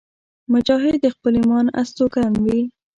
مجاهد د خپل ایمان استوګن وي.